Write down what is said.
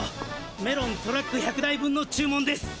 メロントラック１００台分の注文です。